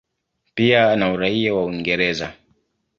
Pia ana uraia wa Uingereza.